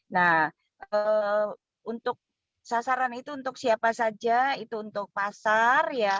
nah untuk sasaran itu untuk siapa saja itu untuk pasar